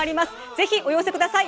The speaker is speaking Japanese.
ぜひお寄せください。